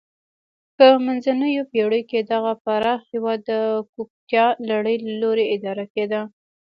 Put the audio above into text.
په منځنیو پیړیو کې دغه پراخ هېواد د کوپتا لړۍ له لوري اداره کېده.